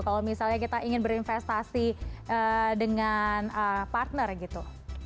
kalau misalnya kita ingin berinvestasi dengan partner gitu